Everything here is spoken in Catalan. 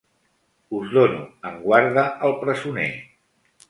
Us dono en guarda el presoner.